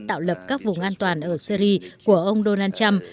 tạo lập các vùng an toàn ở syri của ông donald trump